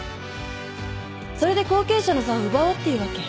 それで後継者の座を奪おうっていうわけ。